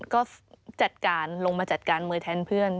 ก็จัดการลงมาจัดการมือแทนเพื่อน